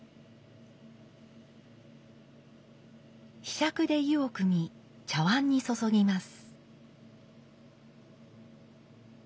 柄杓で湯をくみ茶碗に注ぎます。